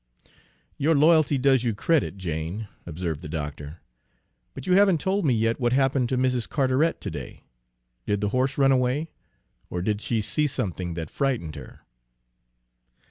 "Your loyalty does you credit, Jane," observed the doctor; "but you haven't told me yet what happened to Mrs. Carteret to day. Did the horse run away, or did she see something that frightened her?"